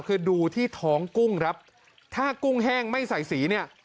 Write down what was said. คือดูที่ท้องกุ้งครับถ้ากุ้งแห้งไม่ใส่สีเนี่ย